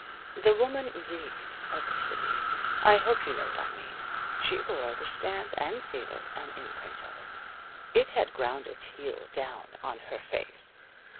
The woman reeked of the city. I hope you know what I mean. She bore the stamp, and seal, and imprint of it. It had ground its heel down on her face.